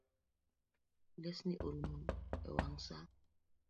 Lesni orum ewang’ sa